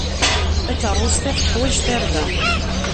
Takeṛṛust-a teḥwaj tarda.